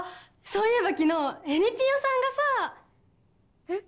そういえば昨日えりぴよさんがさえっ？